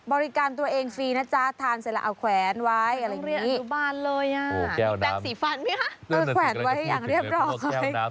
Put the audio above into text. บริการตัวเองฟรีนะจ๊ะทานเสร็จแล้วเอาแขวนไว้อะไรอย่างนี้